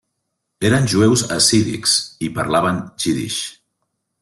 Eren jueus hassídics i parlaven jiddisch.